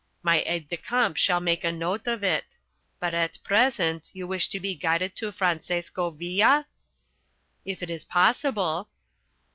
My aide de camp shall make a note of it. But at present you wish to be guided to Francesco Villa?" "If it is possible."